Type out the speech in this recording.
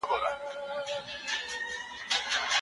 مال بايد په حلاله طريقه ترلاسه سي.